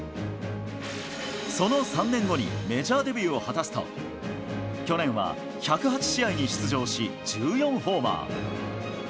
その３年後にメジャーデビューを果たすと、去年は１０８試合に出場し、１４ホーマー。